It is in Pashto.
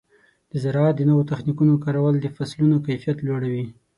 د زراعت د نوو تخنیکونو کارول د فصلونو کیفیت لوړوي.